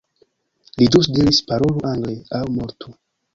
Li ĵus diris: Parolu angle aŭ mortu!